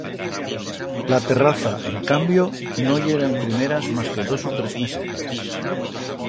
La terraza, en cambio, no yera en primeras mas que dos u tres mesetas.